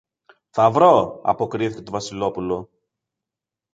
Θα βρω, αποκρίθηκε το Βασιλόπουλο.